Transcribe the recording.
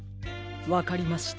わかりました。